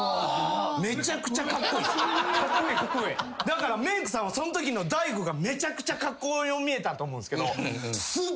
だからメークさんはそのときの大悟がめちゃくちゃカッコ良う見えたと思うんですけど。